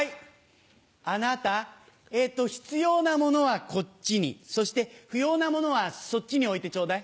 あなた、必要なものはこっちに、そして不要なものはそっちに置いてちょうだい。